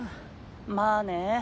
まあね。